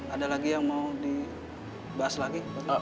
ada lagi yang mau dibahas lagi pak w